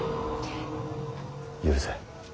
許せ。